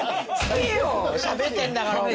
しゃべってんだからお前。